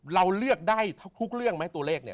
เราเลือกได้ทุกเรื่องไหมตัวเลขเนี่ย